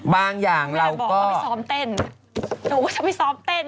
แล้วบอกเค้าไปแซมเต้นเธอก็จะไปซ้อมเต้น